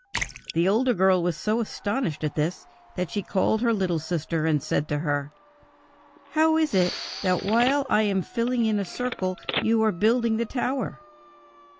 The older girl was so astonished at this, that she called her little sister and said to her: 'How is it that while I am filling in a circle you are building the tower?'